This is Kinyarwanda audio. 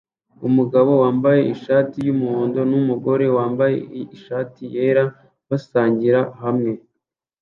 Umugabo wambaye ishati yumuhondo numugore wambaye ishati yera basangira hamwe